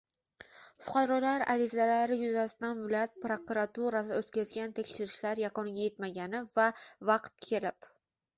Fuqarolar arizalari yuzasidan viloyat prokuraturasi o`tkazgan tekshirishlar yakuniga etmagani va vaqt kelib